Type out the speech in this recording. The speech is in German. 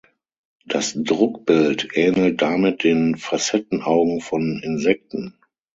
Das Druckbild ähnelt damit den Facettenaugen von Insekten.